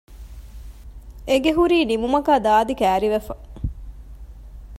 އެގެ ހުރީ ނިމުމަކާ ދާދި ކައިރިވެފަ